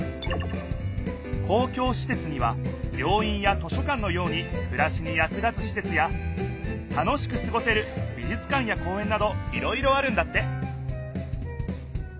公共しせつには病院や図書館のようにくらしにやく立つしせつや楽しくすごせるびじゅつ館や公園などいろいろあるんだって！